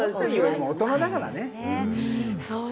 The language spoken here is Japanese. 大人だからね。